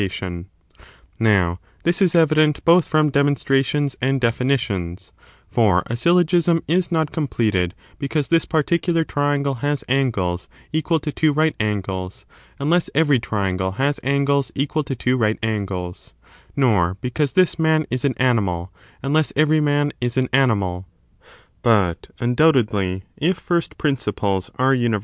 8. conflnned Now this is evident both from demonstrations^ ^fTmonstr*^ and definitions ;2 for a*syllogism is not completed tion and defi because this particular triangle has angles equal nition. ^^^^^ right angles, unless every triangle has angles equal to two right angles; nor because this man is an ^mal, imless every man is an animal. But, imdoubtedly, if first principles are uni priicip?